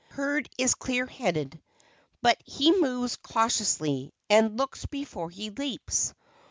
Hurd is clear headed, but he moves cautiously, and "looks before he leaps."